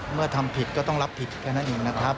ทำผิดก็ต้องรับผิดแค่นั้นเองนะครับ